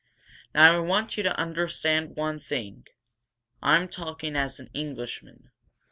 "Now I want you to understand one thing. I'm talking as an Englishman.